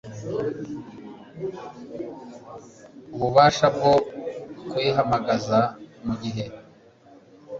ububasha bwo kuyihamagaza Mu gihe